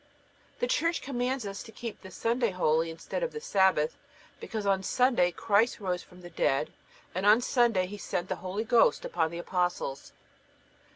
The Church commands us to keep the Sunday holy instead of the Sabbath because on Sunday Christ rose from the dead, and on Sunday He sent the Holy Ghost upon the Apostles.